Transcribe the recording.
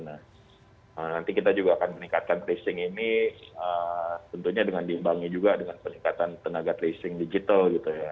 nah nanti kita juga akan meningkatkan tracing ini tentunya dengan diimbangi juga dengan peningkatan tenaga tracing digital gitu ya